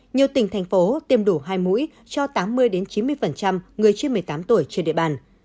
nhiều tỉnh thành phố tiêm đủ hai mũi cho tám mươi chín mươi người trên một mươi tám tuổi trên địa bàn